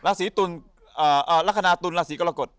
ลักษณะตุนลักษณะสีกรกฎ